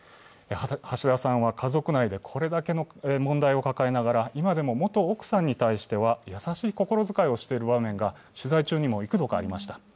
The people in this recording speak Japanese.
橋田さんは家族内で、これだけの問題を抱えながら、今でも元奥さんに対しては優しい心遣いをしている場面が取材中にも幾度かありました。